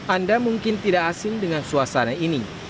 anda mungkin tidak asing dengan suasana ini